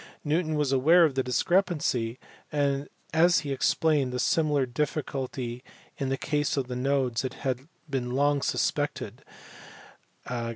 Newton was aware of the discrepancy, and as he explained the similar difficulty in the case of the nodes it had been long suspected (ex.